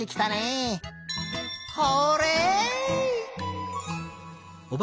ホーレイ！